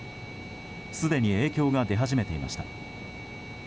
すでに影響が出始めていました。